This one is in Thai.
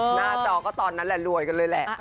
หน้าจอก็ตอนนั้นแหละรวยกันเลยแหละ